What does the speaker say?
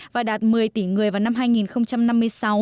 và đạt một mươi tỷ người vào năm hai nghìn năm mươi sáu